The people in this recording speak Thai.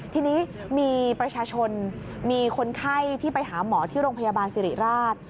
ทีนี้มีประชาชนมีคนไข้ที่ไปหาหมอที่โรงพยาบาลสิริราช